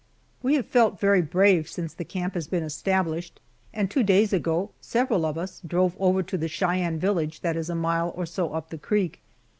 We have felt very brave since the camp has been established, and two days ago several of us drove over to a Cheyenne village that is a mile or so up the creek.